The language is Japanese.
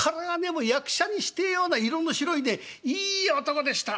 もう役者にしてえような色の白いねいい男でした。